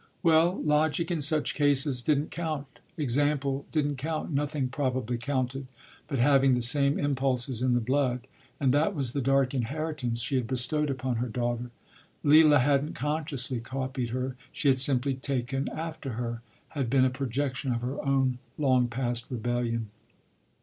Well, logic in such cases didn’t count, example didn’t count, nothing probably counted but having the same impulses in the blood; and that was the dark inheritance she had bestowed upon her daughter. Leila hadn’t consciously copied her; she had simply “taken after” her, had been a projection of her own long past rebellion.